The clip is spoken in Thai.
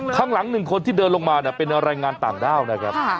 ข้างหลังหนึ่งคนที่เดินลงมาเนี่ยเป็นรายงานต่างด้าวนะครับค่ะ